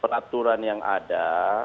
peraturan yang ada